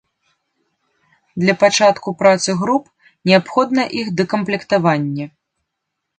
Для пачатку працы груп неабходна іх дакамплектаванне.